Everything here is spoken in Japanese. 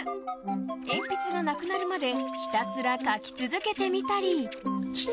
鉛筆がなくなるまでひたすら書き続けてみたり。